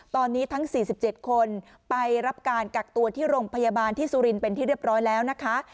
ตอนนี้ทั้ง๔๗คนไปรับการกักตัวที่โรงพยาบาลที่สุรินเป็นที่เรียบร้อยแล้วนะคะ